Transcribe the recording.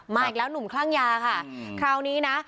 อีกแล้วหนุ่มคลั่งยาค่ะคราวนี้นะ